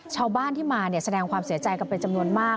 ชาวบ้านที่มาแสดงความเสียใจกันเป็นจำนวนมาก